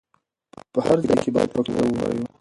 په هر ځای کې بايد پښتو ووايو.